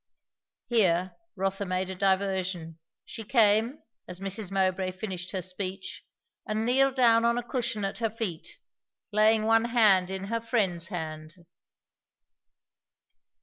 Here Rotha made a diversion. She came, as Mrs. Mowbray finished her speech, and kneeled down on a cushion at her feet, laying one hand in her friend's hand.